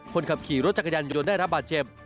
คนขับขี่รถจักรยานยนต์ได้รับบาดเจ็บ